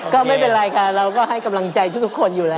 ก็ไม่เป็นไรค่ะเราก็ให้กำลังใจทุกคนอยู่แล้ว